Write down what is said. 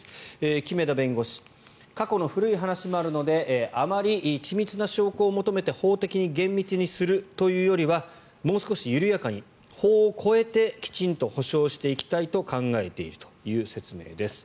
木目田弁護士過去の古い話もあるのであまり緻密な証拠を求めて法的に厳密にするというよりはもう少し緩やかに法を超えてきちんと補償していきたいと考えているという説明です。